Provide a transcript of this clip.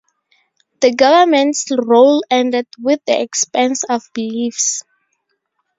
The government's role ended with the expense of beliefs.